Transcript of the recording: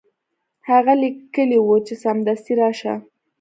هغه لیکلي وو چې سمدستي راشه.